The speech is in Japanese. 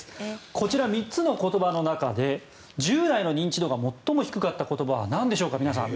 こちら３つの言葉の中で１０代の認知度が最も低かった言葉はなんでしょうか、皆さん。